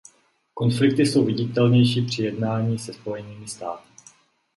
Konflikty jsou viditelnější při jednáních se Spojenými státy.